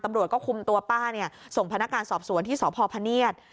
ตำรวจก็คุมตัวป้าส่งพนักงานสอบสวนที่สพพเนียด